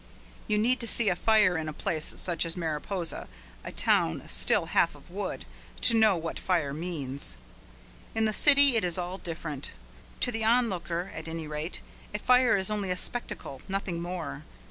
You need to see a fire in a place such as Mariposa, a town still half of wood, to know what fire means. In the city it is all different. To the onlooker, at any rate, a fire is only a spectacle, nothing more.